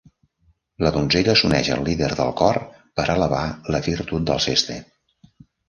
La donzella s'uneix al líder del cor per alabar la virtut d'Alceste.